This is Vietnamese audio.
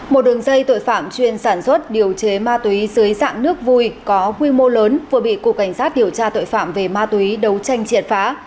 một đường dây tội phạm chuyên sản xuất điều chế ma túy dưới dạng nước vui có quy mô lớn vừa bị cục cảnh sát điều tra tội phạm về ma túy đấu tranh triệt phá